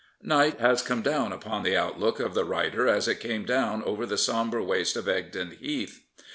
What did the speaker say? Night has come down upon the outlook of the writer as it came down over the sombre waste of Egdon Heath.